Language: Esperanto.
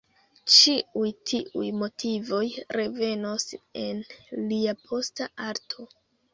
Ĉiuj tiuj motivoj revenos en lia posta arto.